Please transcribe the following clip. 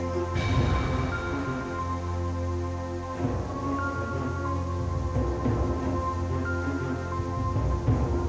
hei jangan lari